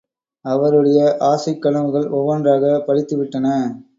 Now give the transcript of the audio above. அவருடைய ஆசைக்கனவுகள் ஒவ்வொன்றாகப் பலித்துவிட்டன.